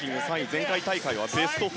前回大会はベスト４。